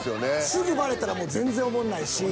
すぐバレたら全然おもんないし。